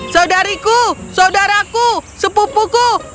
saudariku saudaraku sepupuku